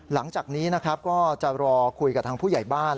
หลังจากนี้นะครับก็จะรอคุยกับทางผู้ใหญ่บ้าน